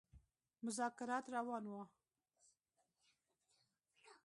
مذاکرات روان وه.